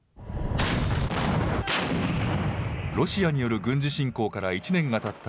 ロシアによる軍事侵攻から１年がたった